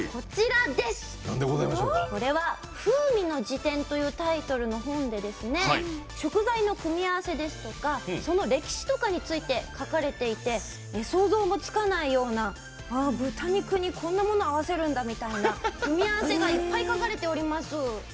これは「風味の事典」のタイトルでございまして食材の組み合わせですとかその歴史とかに書かれていて想像もつかないような「豚肉にこんなもの合わせるんだ」みたいな組み合わせがいっぱい書かれております。